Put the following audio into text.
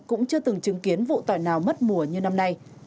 cũng chưa từng chứng kiến vụ tỏi nào mất mùa như năm nay